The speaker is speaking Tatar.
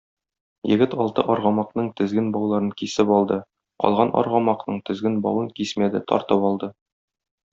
Егет алты аргамакның тезген бауларын кисеп алды, калган аргамакның тезген бавын кисмәде, тартып алды.